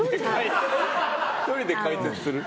１人で解説する？